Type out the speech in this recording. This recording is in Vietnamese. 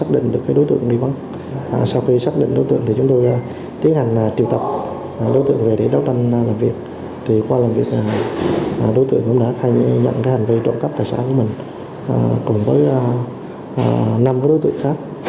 đối tượng cũng đã khai nhận hành vi trọn cấp tài sản của mình cùng với năm đối tượng khác